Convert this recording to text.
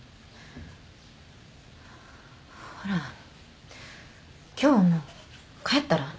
ほら今日はもう帰ったら？